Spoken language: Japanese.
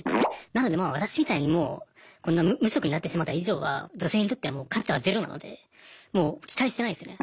なのでまあ私みたいにもうこんな無職になってしまった以上は女性にとってはもう価値はゼロなのでもう期待してないですよね